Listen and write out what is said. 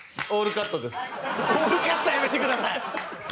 オールカットやめてください！